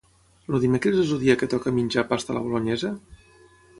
El dimecres és el dia que toca menjar pasta a la bolonyesa?